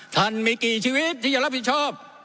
ท่านมีกี่ชีวิตที่จะรับผิดชอบ